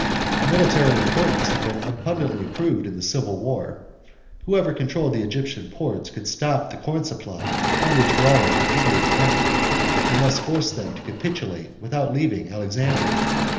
The military importance had been abundantly proved in the Civil Wars. Whoever controlled the Egyptian ports could stop the corn supply on which Rome and Italy depended, and thus force them to capitulate without leaving Alexandria.